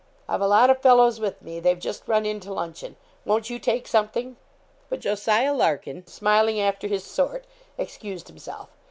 'I've a lot of fellows with me; they've just run in to luncheon; won't you take something?' But Jos. Larkin, smiling after his sort, excused himself.